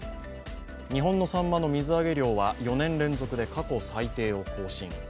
日本のさんまの水揚げ量は４年連続で過去最低を更新。